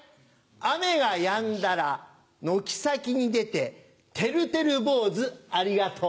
雨がやんだら軒先に出ててるてる坊主ありがとう。